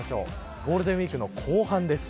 ゴールデンウイークの後半です。